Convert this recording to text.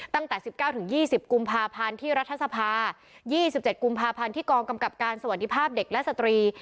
ตั้งแต่๑๙๒๐กุมภาพันธ์ที่รัฐสภา๒๗กุมภาพันธ์ที่กองกำกับการสวัสดีภาพเด็กและสตรี